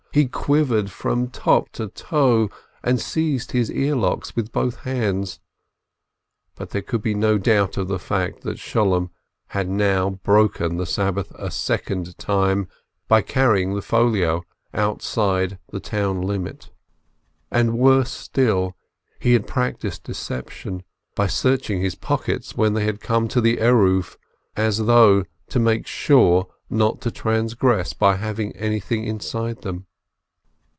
He quivered from top to toe, and seized his earlocks with both hands. For there could be no doubt of the fact that Sholem had now broken the Sab bath a second time — by carrying the folio outside the town limit. And worse still, he had practiced deception, by searching his pockets when they had come to the Eruv, as though to make sure not to transgress by having anything inside them.